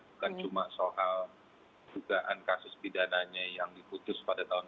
bukan cuma soal dugaan kasus pidananya yang diputus pada tahun dua ribu